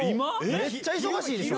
めっちゃ忙しいでしょ？